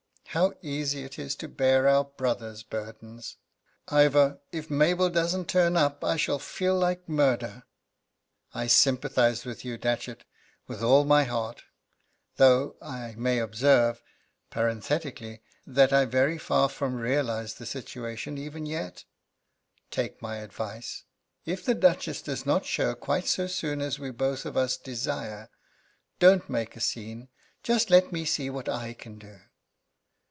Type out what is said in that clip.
How easy it is to bear our brother's burdens! Ivor, if Mabel doesn't turn up I shall feel like murder." "I sympathise with you, Datchet, with all my heart, though, I may observe, parenthetically, that I very far from realise the situation even yet. Take my advice. If the Duchess does not show quite so soon as we both of us desire, don't make a scene; just let me see what I can do."